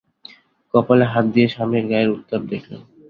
কপালে হাত দিয়ে স্বামীর গায়ের উত্তাপ দেখলেন।